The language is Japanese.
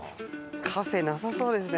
カフェなさそうですね